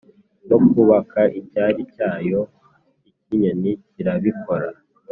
No kubaka icyari cyayo, ikinyoni kirabikora